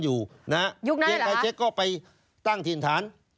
ยุคหน้าเหรอครับเจียงไคเชคก็ไปตั้งตินฐาน